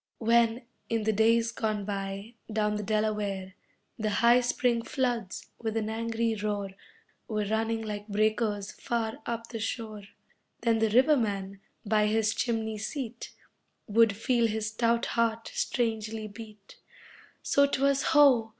When, in the days gone by, down the Delaware The high Spring floods, with an angry roar Were running like breakers far up the shore, Then the riverman by his chimney seat Would feel his stout heart strangely beat So 'twas ho!